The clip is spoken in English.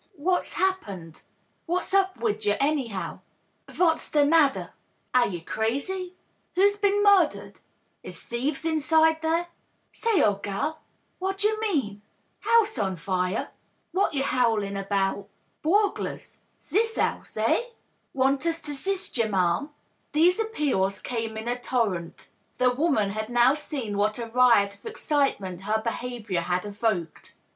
"What's happened?" "What's up wid yer, annyhow?" " Vat's de madder?" " Are ye crazy ?"" Who's been murdered ^^ "Is thieves inside there f^ " Say, ole gal, Vat d'yer hiean Y* "House on fire?" " W'at ye howlin' about ?'^" Borglairs — ^zis house— eh ?"" Want us to 'sist yer, ma'am ?" These appeals came in a torrent The woman had now seen what a riot of excitement her behavior had evoked.